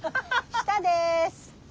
下です。